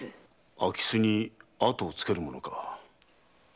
空き巣に後をつける者か。